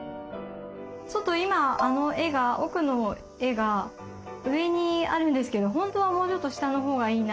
ちょっと今あの絵が奥の絵が上にあるんですけど本当はもうちょっと下の方がいいな。